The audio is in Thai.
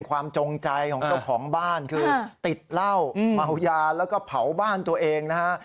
จงใจของเจ้าของบ้านคือติดเหล้าเมายาแล้วก็เผาบ้านตัวเองนะฮะ